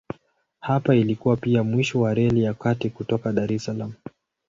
Hapa ilikuwa pia mwisho wa Reli ya Kati kutoka Dar es Salaam.